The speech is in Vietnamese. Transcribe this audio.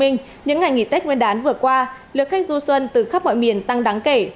những ngày nghỉ tết nguyên đán vừa qua lượng khách du xuân từ khắp mọi miền tăng đáng kể